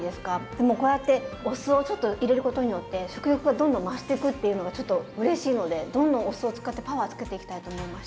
でもこうやってお酢をちょっと入れることによって食欲がどんどん増してくっていうのがちょっとうれしいのでどんどんお酢を使ってパワーつけていきたいと思いました。